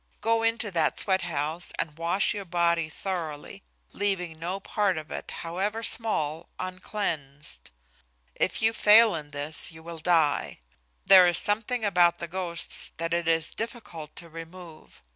Go into that sweat house and wash your body thoroughly, leaving no part of it, however small, uncleansed. If you fail in this, you will die. There is something about the ghosts that it is difficult to remove.